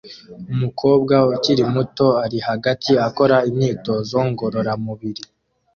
Umukobwa ukiri muto ari hagati akora imyitozo ngororamubiri